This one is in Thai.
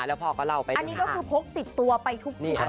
แล้วพ่อก็เล่าไปเลยนะครับอันนี้ก็คือพกติดตัวไปทุกครั้ง